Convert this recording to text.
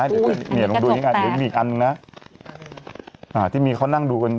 อุ้ยอันนี้ก็จบแตกอ่าเดี๋ยวมีอีกอันหนึ่งน่ะอ่าที่มีเขานั่งดูคน